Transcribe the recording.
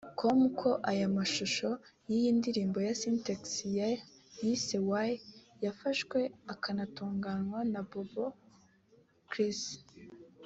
com ko aya mashusho y'iyi ndirimbo ya Sintex yise ‘Why’ yafashwe akanatunganywa na Bob Chris